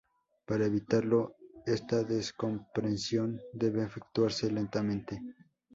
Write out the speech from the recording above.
Para evitarlo, esta descompresión debe efectuarse lentamente.